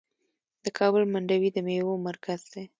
د کابل منډوي د میوو مرکز دی.